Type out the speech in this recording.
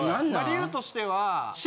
理由としては。